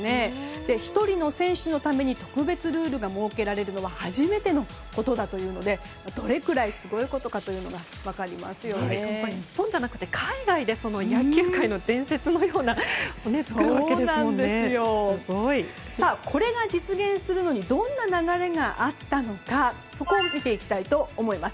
１人の選手のために特別ルールが設けられるのは初めてのことだというのでどれくらいすごいことかというのが日本じゃなくて海外で野球界の伝説のようなものをこれが実現するのにどんな流れがあったのかそこを見ていきたいと思います。